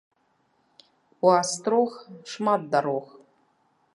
У астрог шмат дарог